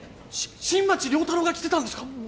新町亮太郎が来てたんですか？